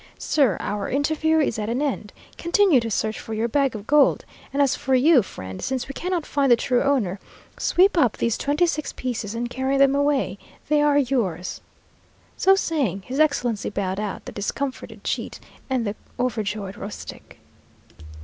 Sir, our interview is at an end. Continue to search for your bag of gold; and as for you, friend, since we cannot find the true owner, sweep up these twenty six pieces and carry them away. They are yours." So saying, his Excellency bowed out the discomfited cheat and the overjoyed rustic.